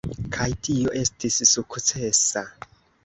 Kaj tio estis sukcesa.